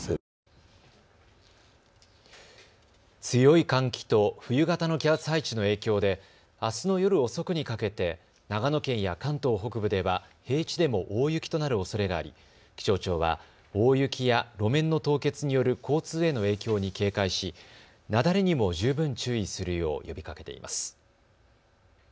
強い寒気と冬型の気圧配置の影響であすの夜遅くにかけて長野県や関東北部では平地でも大雪となるおそれがあり気象庁は大雪や路面の凍結による交通への影響に警戒し雪崩にも十分注意するよう呼びかけています。